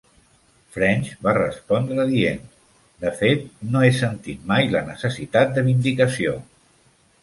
French va respondre dient "De fet, no he sentit mai la necessitat de vindicació".